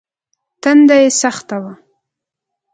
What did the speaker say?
تنده يې سخته وه.